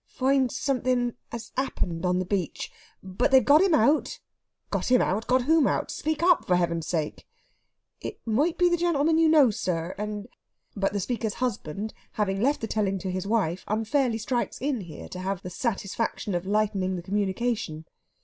"Find something has happened on the beach. But they've got him out...." "Got him out! Got whom out? Speak up, for Heaven's sake!" "It might be the gentleman you know, sir, and...." But the speaker's husband, having left the telling to his wife, unfairly strikes in here, to have the satisfaction of lightening the communication.